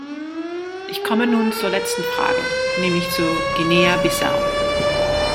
Ich komme nun zur letzten Frage, nämlich zu Guinea-Bissau.